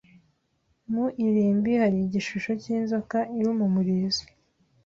Mu irimbi, hari igishusho cyinzoka iruma umurizo.